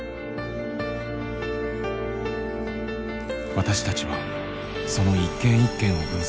私たちはその一件一件を分析。